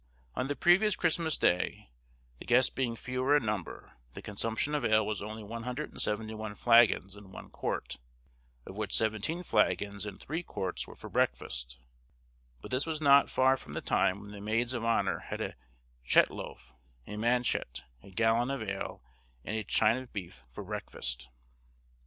On the previous Christmas Day, the guests being fewer in number, the consumption of ale was only 171 flaggons and one quart, of which seventeen flaggons and three quarts were for breakfast; but this was not far from the time when the maids of honour had a chet loaf, a manchet, a gallon of ale, and a chine of beef for breakfast.